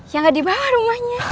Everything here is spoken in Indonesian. ya gak dibawah rumahnya